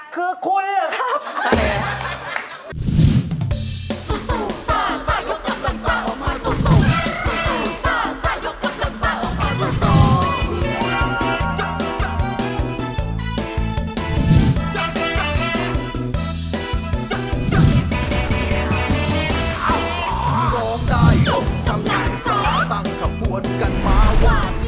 คือคุณหรือครับ